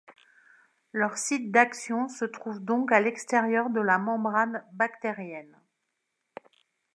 Leur site d'action se trouve donc à l'extérieur de la membrane bactérienne.